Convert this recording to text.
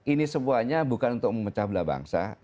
ini semuanya bukan untuk memecah belah bangsa